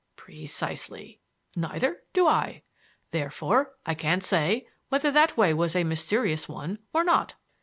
"Precisely. Neither do I. Therefore I can't say whether that way was a mysterious one or not."